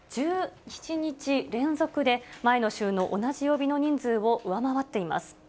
１７日連続で前の週の同じ曜日の人数を上回っています。